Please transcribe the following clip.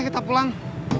aku mau pulang